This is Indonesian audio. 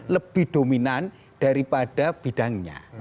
lebih dominan daripada bidangnya